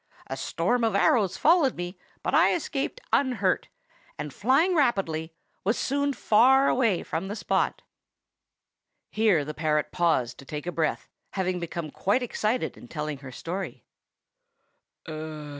A storm of arrows followed me, but I escaped unhurt, and flying rapidly, was soon far away from the spot." "'Hideous witch!' I exclaimed." Here the parrot paused to take breath, having become quite excited in telling her story.